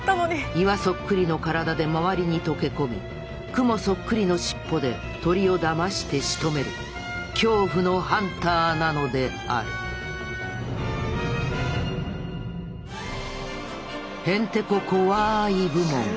岩そっくりの体で周りに溶け込みクモそっくりの尻尾で鳥をだましてしとめる恐怖のハンターなのであるへんてこコワーい部門！